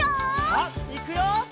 さあいくよ！